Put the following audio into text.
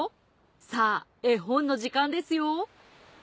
さぁ絵本の時間ですよ。